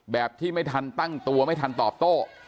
แบบที่ไม่ทันตั้งตัวไม่ทันตอบโต้